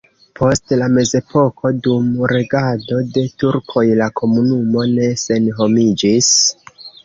Post la mezepoko dum regado de turkoj la komunumo ne senhomiĝis.